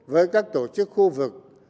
với các tổ chức khu vực